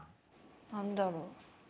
何だろう？